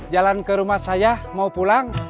jalan ke rumah saya mau pulang